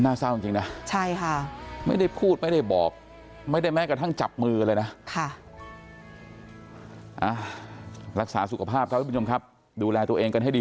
เศร้าจริงนะใช่ค่ะไม่ได้พูดไม่ได้บอกไม่ได้แม้กระทั่งจับมือเลยนะ